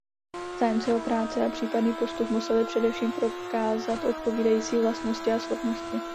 Zájemci o práci a případný postup museli především prokázat odpovídající vlastnosti a schopnosti.